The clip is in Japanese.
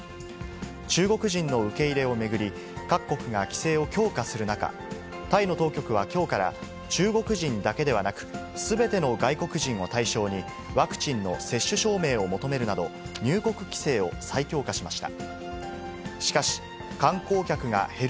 中国人の受け入れを巡り、各国が規制を強化する中、タイの当局はきょうから、中国人だけではなく、すべての外国人を対象に、ワクチンの接種証明を求めるなど、入国規制を再強化しました。